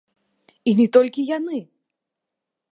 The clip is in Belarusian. І не толькі яны!